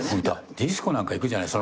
ディスコなんか行くじゃない。